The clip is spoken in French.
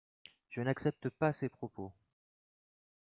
Je n’accepte pas ces propos.